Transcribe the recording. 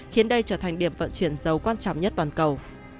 khiến đây trở thành điểm vận chuyển dầu quan trọng nhất toàn cầu